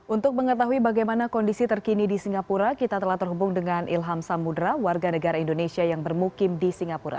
untuk mengetahui bagaimana kondisi terkini di singapura kita telah terhubung dengan ilham samudera warga negara indonesia yang bermukim di singapura